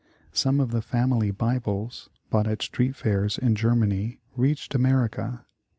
Some of the family Bibles bought at street fairs in. Germany reached America.